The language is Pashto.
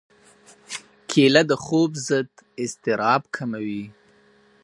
کېله د خوب ضد اضطراب کموي.